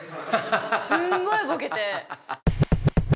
すんごいボケて。